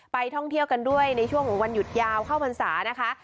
ท่องเที่ยวกันด้วยในช่วงของวันหยุดยาวเข้าพรรษานะคะ